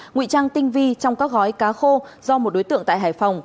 nguy trang tinh vi trong các gói cá khô do một đối tượng tại hải phòng